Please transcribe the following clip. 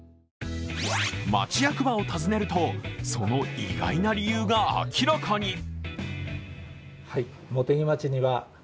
町役場を訪ねると、その意外な理由が明らかに。